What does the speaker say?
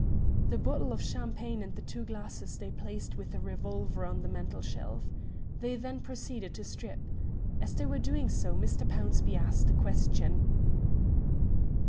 The bottle of champagne and the two glasses they placed with the revolver on the mantelshelf. They then proceeded to strip. As they were doing so Mr. Pownceby asked a question.